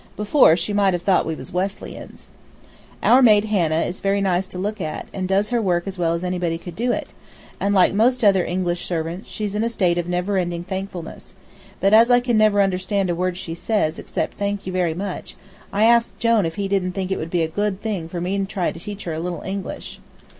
Before, she might have thought we was Wesleyans. Our maid Hannah is very nice to look at, and does her work as well as anybody could do it, and, like most other English servants, she's in a state of never ending thankfulness, but as I can never understand a word she says except "Thank you very much," I asked Jone if he didn't think it would be a good thing for me to try to teach her a little English.